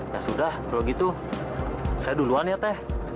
ya sudah kalau gitu saya duluan ya teh